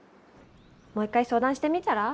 もう一回相談してみたら？